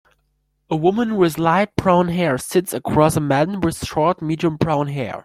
A woman with light brown hair sits across a man with short medium brown hair.